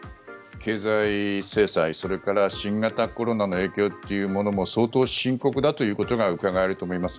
経済制裁それから新型コロナの影響も相当、深刻だということがうかがえると思います。